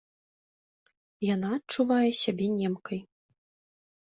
Яна адчувае сябе немкай.